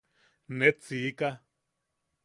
Net siika.